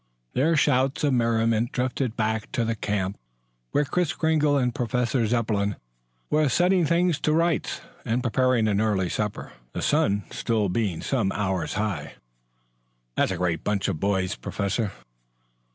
Their shouts of merriment drifted back to the camp where Kris Kringle and Professor Zepplin were setting things to rights and preparing an early supper, the sun still being some hours high. "That's a great bunch of boys, Professor."